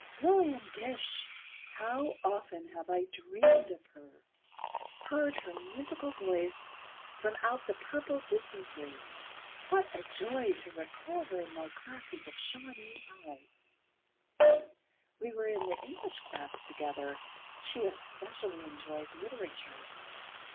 Lillian Gish! How often have I dreamed of her—heard her musical voice from out the purple distances. What a joy to recall her in my classes of Shawnee High. We were in the English class together. She especially enjoyed literature....